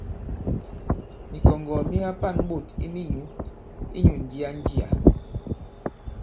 Mìkɔ̀ŋgɔ̀ mi ka-pa᷇n ɓôt i minyǔ inyū ǹjia-njià.